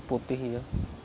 kalau udah mekar nggak ya